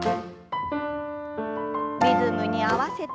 リズムに合わせて。